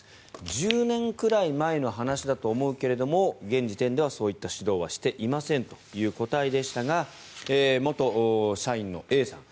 １０年くらい前の話だと思うけれども現時点ではそういった指導はしていませんという答えでしたが元社員のＡさん